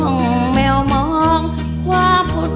สิ้นสดหมดสาวกลายเป็นขาวกลับมา